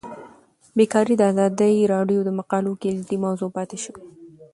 بیکاري د ازادي راډیو د مقالو کلیدي موضوع پاتې شوی.